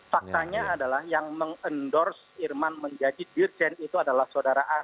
faktanya adalah yang mengendorse irman menjadi dirjen itu adalah saudara ah